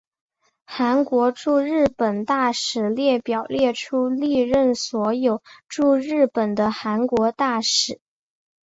韩国驻日本大使列表列出历任所有驻日本的韩国大使。